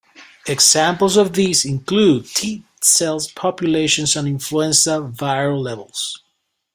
Examples of these include T-cell populations and influenza viral levels.